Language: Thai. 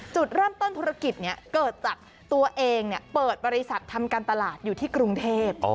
จุดเริ่มต้นธุรกิจนี้เกิดจากตัวเองเปิดบริษัททำการตลาดอยู่ที่กรุงเทพ